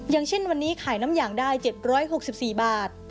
อย่างเช่นวันนี้ขายน้ำอย่างได้๗๖๔บาท